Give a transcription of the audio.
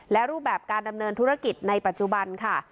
และรูปแบบการดำเนินธุรกิจในปัจจุบันค่ะ